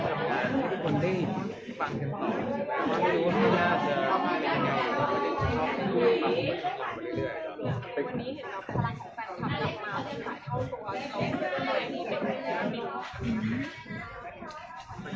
แต่ว่าไม่รู้ว่าเท่านั้นเท่าไหร่จะเข้าข้างบนต่อมาเรื่อย